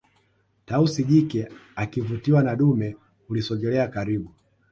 tausi jike akivutiwa na dume hulisogelelea karibu